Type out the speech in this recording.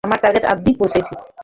আমরা টার্গেট অব্ধি পৌঁছেছি।